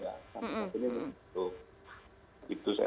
sampai saat ini belum